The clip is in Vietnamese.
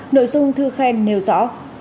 nội dung thư khen nêu rõ